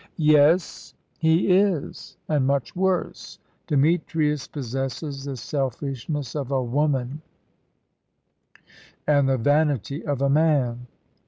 "Yes, he is, and much worse. Demetrius possesses the selfishness of a woman and the vanity of a man."